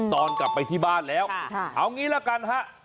ตอนกลับไปที่บ้านแล้วเอางี้ละกันฮะ